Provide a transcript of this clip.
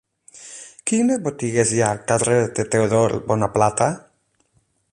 Quines botigues hi ha al carrer de Teodor Bonaplata?